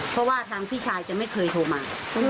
เพราะว่าทางพี่ชายจะไม่เคยโทรมา